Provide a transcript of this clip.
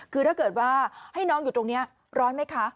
คือถ้าเกิดว่าให้น้องอยู่ตรงนี้ร้อนไหมคะ